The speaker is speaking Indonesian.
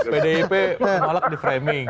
pdip malah di framing